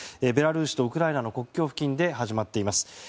ベラルーシとウクライナの国境付近で始まっています。